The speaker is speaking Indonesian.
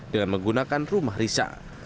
dengan menggunakan rumah risa